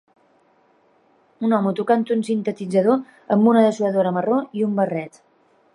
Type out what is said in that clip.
Un home tocant un sintetitzador amb una dessuadora marró i un barret.